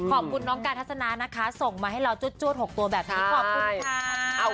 ขอบคุณน้องการทัศนานะคะส่งมาให้เราจวด๖ตัวแบบนี้ขอบคุณค่ะ